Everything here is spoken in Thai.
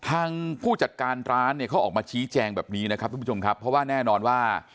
ผู้จัดการร้านเนี่ยเขาออกมาชี้แจงแบบนี้นะครับทุกผู้ชมครับเพราะว่าแน่นอนว่า